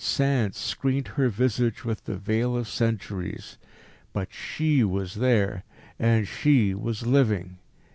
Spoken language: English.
Sand screened her visage with the veil of centuries. But She was there, and She was living.